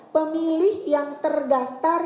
pemilih yang terdaftar